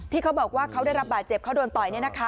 เขาบอกว่าเขาได้รับบาดเจ็บเขาโดนต่อย